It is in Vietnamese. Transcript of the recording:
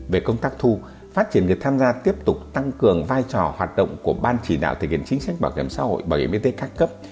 về công tác thu phát triển người tham gia tiếp tục tăng cường vai trò hoạt động của ban chỉ đạo thực hiện chính sách bảo hiểm xã hội bảo hiểm y tế các cấp